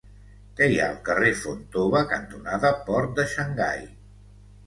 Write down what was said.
Què hi ha al carrer Fontova cantonada Port de Xangai?